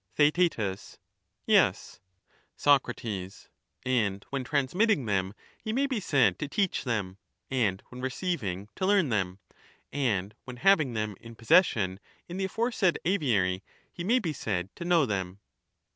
Theaet Yes. Sac, And when transmitting them he may be said to teach them, and when receiving to learn them, and when having them in possession in the aforesaid aviary he may be said to know them.